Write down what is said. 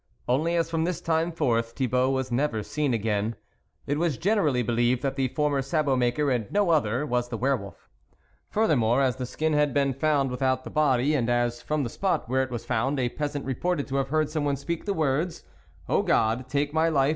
Only as from this time forth Thibault was never seen again, it was generally believed that the former sabot maker and no other was the were wolf. Furthermore, as the skin had been found without the body, and, as, from the spot where it was found a peasant re potted to have heard someone speak the THE WOLF LEADER words :" O God ! take my life